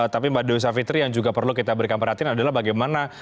tapi mbak dewi savitri yang juga perlu kita berikan perhatian adalah bagaimana